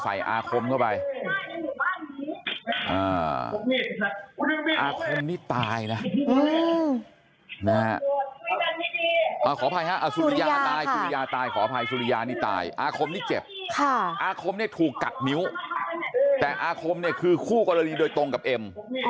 อาคมนี่ตายนะอาคมนี่เจ็บอาคมนี่ถูกกัดนิ้วแต่อาคมนี่คือคู่กรณีโดยตรงกับเอ็ม